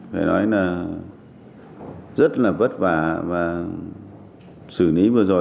phải nói là rất là vất vả và xử lý vừa rồi